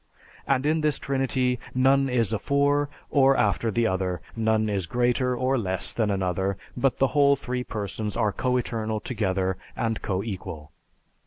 And in this Trinity, none is afore or after the other; none is greater or less than another; but the whole three Persons are coeternal together and coequal."